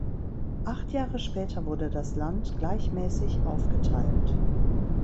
Acht Jahre später wurde das Land gleichmäßig aufgeteilt.